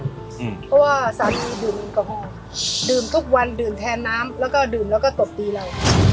เพราะว่าสามีดื่มแอลกอฮอล์ดื่มทุกวันดื่มแทนน้ำแล้วก็ดื่มแล้วก็ตบตีเรา